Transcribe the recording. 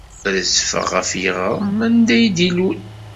Rezfeɣ ɣef yiɣrem anda i d-ilul.